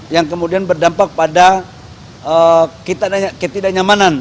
yang kemudian berdampak pada ketidaknyamanan